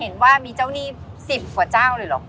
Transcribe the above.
เห็นว่ามีเจ้านี่๑๐กว่าเจ้าหรือหรือหรือ